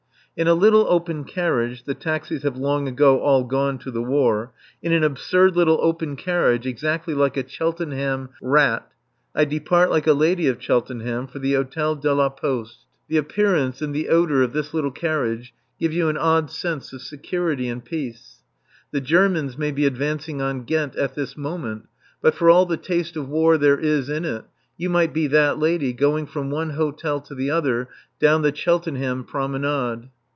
In a little open carriage the taxis have long ago all gone to the War in an absurd little open carriage, exactly like a Cheltenham "rat," I depart like a lady of Cheltenham, for the Hôtel de la Poste. The appearance and the odour of this little carriage give you an odd sense of security and peace. The Germans may be advancing on Ghent at this moment, but for all the taste of war there is in it, you might be that lady, going from one hotel to the other, down the Cheltenham Promenade.